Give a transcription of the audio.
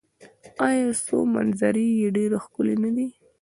آیا خو منظرې یې ډیرې ښکلې نه دي؟